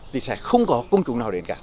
thì sẽ không có công cụ nào đến cả